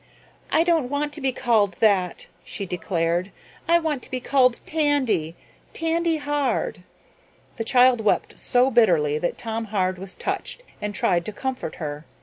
"I don't want to be called that," she declared. "I want to be called Tandy—Tandy Hard." The child wept so bitterly that Tom Hard was touched and tried to comfort her.